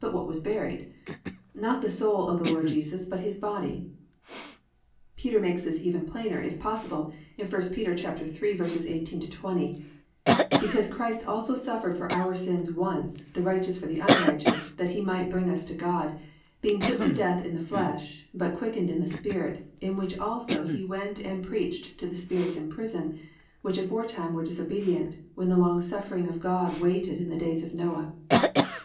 But what was buried? Not the soul of the Lord Jesus, but His body. Peter makes this even plainer, if possible, in I Pet. 3:18 20: +"Because Christ also suffered for our sins once, the righteous for the unrighteous, that he might bring us to God; being put to death in the flesh, but quickened in the spirit; in which also he went and preached to the spirits in prison; which aforetime were disobedient, when the longsuffering of God waited in the days of Noah."